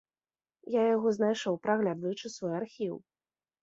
Яго я знайшоў, праглядаючы свой архіў.